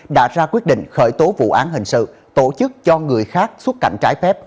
đã ra quyết định khởi tố vụ án hình sự tổ chức cho người khác xuất cảnh trái phép